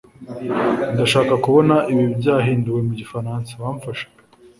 ndashaka kubona ibi byahinduwe mu gifaransa. wamfasha